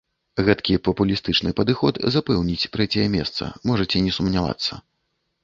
Гэткі папулістычны падыход запэўніць трэцяе месца, можаце не сумнявацца.